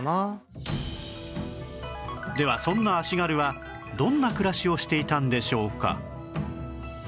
ではそんな足軽はどんな暮らしをしていたんでしょうか？